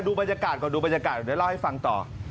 บรรยากาศก่อนดูบรรยากาศเดี๋ยวเล่าให้ฟังต่อ